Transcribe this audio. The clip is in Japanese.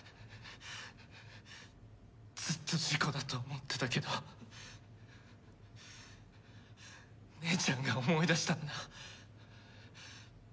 ずっと事故だと思ってたけど姉ちゃんが思い出したんだ。